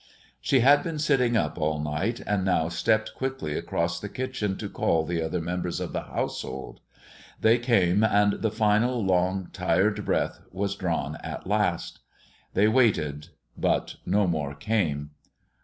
She had been sitting up all night, and now stepped quickly across the kitchen to call the other members of the household. They came, and the final long, tired breath was drawn at last. They waited, but no more came.